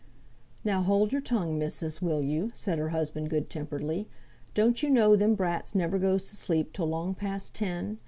"Now, hold your tongue, missis, will you," said her husband, good temperedly. "Don't you know them brats never goes to sleep till long past ten?